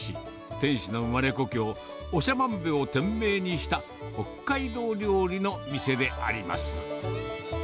店主の生まれ故郷、おしゃまんべを店名にした北海道料理の店であります。